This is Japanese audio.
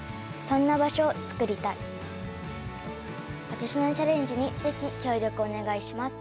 私のチャレンジに是非協力お願いします。